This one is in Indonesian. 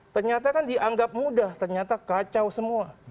ternyata kan dianggap mudah ternyata kacau semua